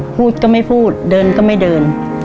พูดก็ไม่พูดเดินก็ไม่เดิน